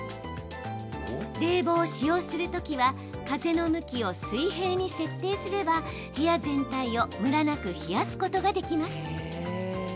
冷房を使用するときは風の向きを水平に設定すれば部屋全体をムラなく冷やすことができます。